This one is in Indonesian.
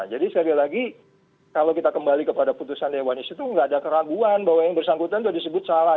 sekali lagi kalau kita kembali kepada putusan dewan itu nggak ada keraguan bahwa yang bersangkutan sudah disebut salah